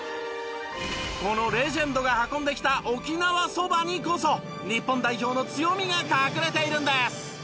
このレジェンドが運んできた沖縄そばにこそ日本代表の強みが隠れているんです。